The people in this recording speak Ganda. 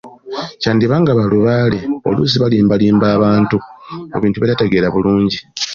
Kyandiba ng’abalubaale oluusi balimbalimba abantu mu bintu bye batategeera bulungi.